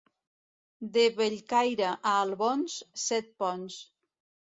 De Bellcaire a Albons, set ponts.